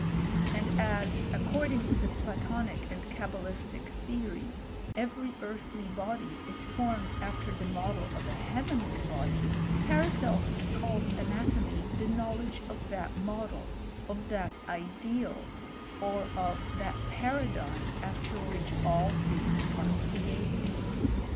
And as, according to the Platonic and Cabalistic theory, every earthly body is formed after the model of a heavenly body, Paracelsus calls ana^ tomy the knowledge of that model, of that ideal, or of that paradigm after which all things are create4.